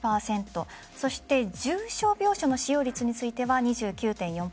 重症病床の使用率については２９．４％